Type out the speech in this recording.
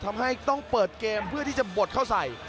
ทำให้ต้องเปิดเกมเพื่อที่จะบดเข้าใส่